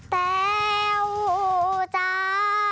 แต้วจ้า